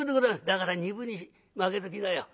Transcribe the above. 「だから二分にまけときなよ」。